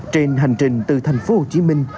trên hành trình từ thành phố hồ chí minh